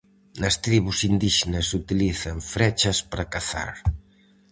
Nas tribos indíxenas utilizan frechas para cazar.